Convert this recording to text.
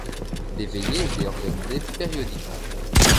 Des veillées étaient organisées périodiquement.